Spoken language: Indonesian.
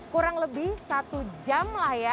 kurang lebih satu jam lah ya